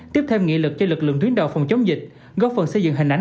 tiếp theo nghị lực cho lực lượng tuyến đo phòng chống dịch góp phần xây dựng hình ảnh